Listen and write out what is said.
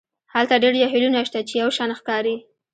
هلته ډیر جهیلونه شته چې یو شان ښکاري